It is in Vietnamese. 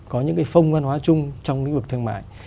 có những cái phong văn hóa chung trong lĩnh vực thương mại